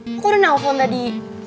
kok udah nelfon tadi